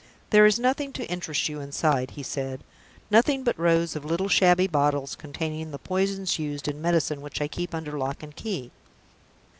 "There is nothing to interest you inside," he said. "Nothing but rows of little shabby bottles containing the poisons used in medicine which I keep under lock and key.